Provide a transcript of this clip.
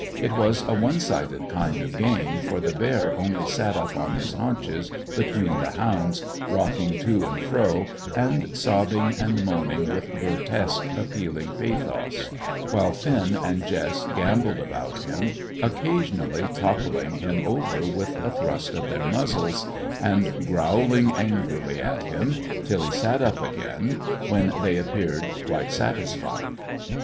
It was a one sided kind of game, for the bear only sat up on his haunches between the hounds, rocking to and fro, and sobbing and moaning with grotesque appealing pathos, while Finn and Jess gambolled about him, occasionally toppling him over with a thrust of their muzzles, and growling angrily at him, till he sat up again, when they appeared quite satisfied.